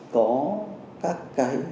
có các cái